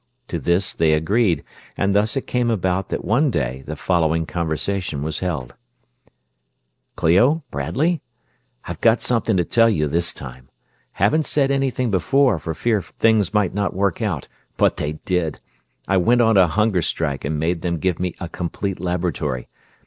To this they agreed, and thus it came about that one day the following conversation was held: "Clio? Bradley? I've got something to tell you this time. Haven't said anything before, for fear things might not work out, but they did. I went on a hunger strike and made them give me a complete laboratory.